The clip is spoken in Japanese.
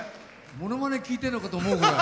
ものまね聴いてると思うぐらい。